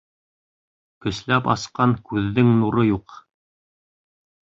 Көсләп асҡан күҙҙең нуры юҡ.